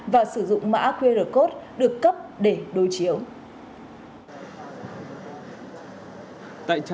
và sử dụng mã qr code được cấp để đối chiếu